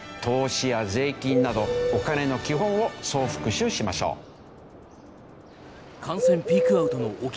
投資や税金などお金の基本を総復習しましょう。